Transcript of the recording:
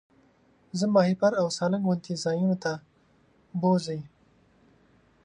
زه ماهیپر او سالنګ غوندې ځایونو ته بوځئ.